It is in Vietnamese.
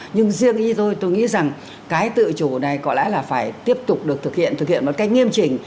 nhưng riêng ý tôi nghĩ rằng cái tự chủ này có lẽ là phải tiếp tục được thực hiện thực hiện một cách nghiêm trình